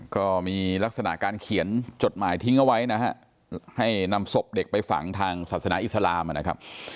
ก็มีลักษณะการเขียนจดหมายทิ้งเอาไว้นะฮะให้นำศพเด็กไปฝังทางศาสนาอิสลามนะครับ